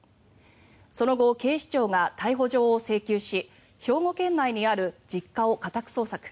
その後、警視庁が逮捕状を請求し兵庫県内にある実家を家宅捜索。